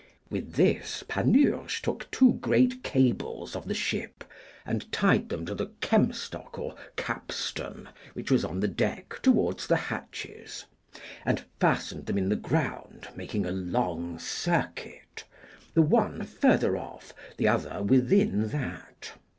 With this Panurge took two great cables of the ship and tied them to the kemstock or capstan which was on the deck towards the hatches, and fastened them in the ground, making a long circuit, the one further off, the other within that.